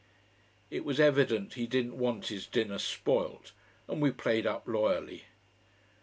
It was evident he didn't want his dinner spoilt, and we played up loyally.